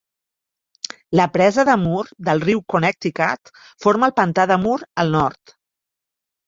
La presa de Moore del riu Connecticut forma el pantà de Moore al nord.